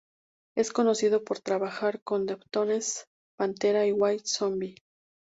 Es conocido por trabajar con Deftones, Pantera y White Zombie.